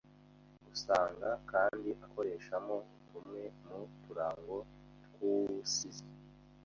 Usanga kandi akoreshamo tumwe mu turango tw’uusizi